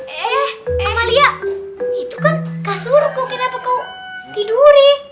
eh amalia itu kan kasur kok kenapa kau tiduri